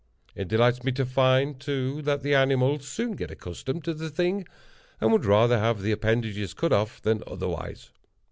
It delights me to find, too, that the animals soon get accustomed to the thing, and would rather have the appendages cut off than otherwise.